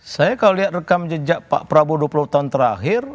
saya kalau lihat rekam jejak pak prabowo dua puluh tahun terakhir